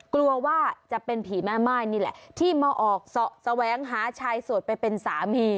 กลัวว่าจะเป็นผีแม่ม่ายนี่แหละที่มาออกเสาะแสวงหาชายโสดไปเป็นสามี